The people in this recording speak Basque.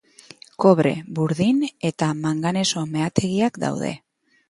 Kobre-, burdin- eta manganeso-meategiak daude.